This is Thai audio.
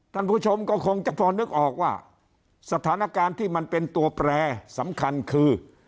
ท่านผู้ชมก็คงจะพอนึกออกว่าสถานการณ์ที่มันเป็นตัวแปรสำคัญคือ